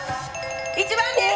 １番です！